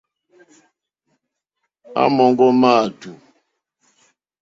À mɔ̀ŋɡɔ́ máàtù,.